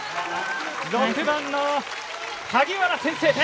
６番の萩原、先制点！